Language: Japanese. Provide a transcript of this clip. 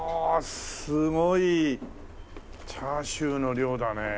すごいチャーシューの量だね。